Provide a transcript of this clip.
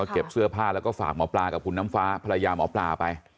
เก็บเสื้อผ้าแล้วก็ฝากหมอปลากับคุณน้ำฟ้าภรรยาหมอปลาไป